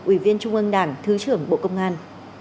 ủy viên trung ương đảng thứ trưởng bộ công an